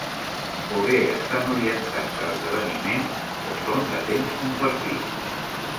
O bé estan orientats a esdeveniments o són de temps compartit.